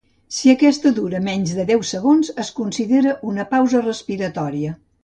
Si aquesta dura menys de deu segons, es considera una pausa respiratòria.